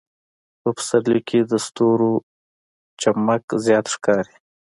په پسرلي کې د ستورو چمک زیات ښکاري.